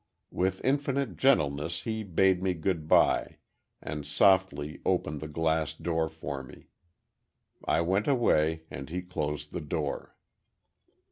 With infinite gentleness he bade me good by, and softly opened the glass door for me. I went away and he closed the door.